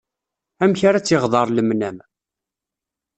Amek ara tt-iɣḍer lemnam.